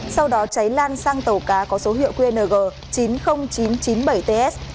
sau đó cháy lan sang tàu cá có số hiệu qng chín mươi nghìn chín trăm chín mươi bảy ts